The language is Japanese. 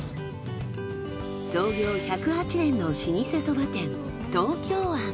創業１０８年の老舗そば店東京庵。